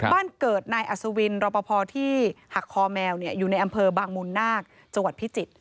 บ้านเกิดนายอัศวินรอปภที่หักคอแมวอยู่ในอำเภอบางมูลนาคจังหวัดพิจิตร